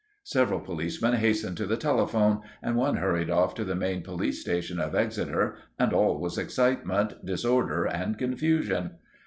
Several policemen hastened to the telephone, and one hurried off to the main police station of Exeter, and all was excitement, disorder and confusion.